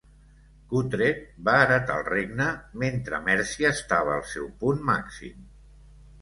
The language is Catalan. Cuthred va heretar el regne mentre Mercia estava al seu punt màxim.